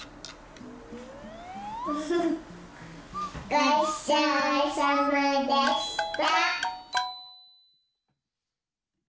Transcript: ごちそうさまでした。